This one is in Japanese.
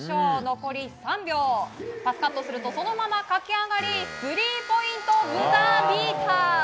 残り３秒、パスカットするとそのまま駆け上がりスリーポイントブザービーター！